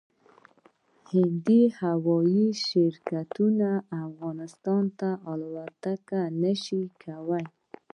هندي هوايي شرکتونه افغانستان ته الوتنې نشي کولای